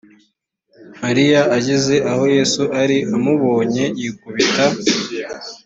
mariya ageze aho yesu ari amubonye yikubita